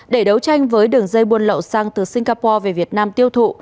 để đấu tranh với đường dây buôn lậu xăng từ singapore về việt nam tiêu thụ